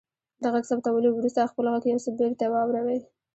د غږ ثبتولو وروسته خپل غږ یو ځل بیرته واورئ.